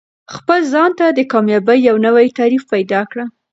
خپل ځان ته د کامیابۍ یو نوی تعریف پیدا کړه.